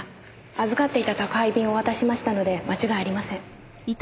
預かっていた宅配便をお渡ししましたので間違いありません。